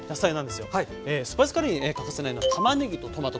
スパイスカレーに欠かせないのはたまねぎとトマト